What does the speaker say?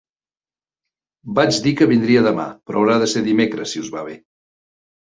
Vaig dir que vindria demà però haurà de ser dimecres, si us va bé.